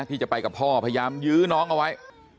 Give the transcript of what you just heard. ที่จะไปกับพ่อพยายามยื้อน้องเอาไว้